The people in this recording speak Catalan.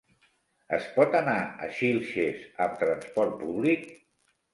Es pot anar a Xilxes amb transport públic?